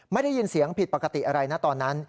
ไม่ได้ยินเสียงผิดปกติอะไรนะตอนนั้น